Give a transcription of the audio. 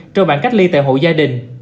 cho bạn cách ly tại hộ gia đình